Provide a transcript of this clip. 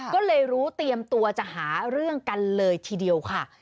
ก็เลยรู้เตรียมตัวจะหาเรื่องกันเลยทีเดียวค่ะ